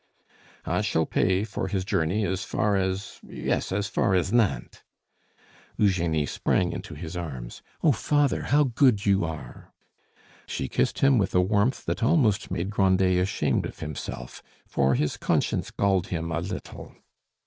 "I shall pay for his journey as far as yes, as far as Nantes." Eugenie sprang into his arms. "Oh, father, how good you are!" She kissed him with a warmth that almost made Grandet ashamed of himself, for his conscience galled him a little.